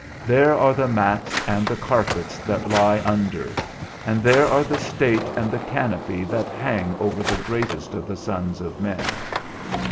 There are the mats and the carpets that lie under, and there are the state and the canopy that hang over the greatest of the sons of men.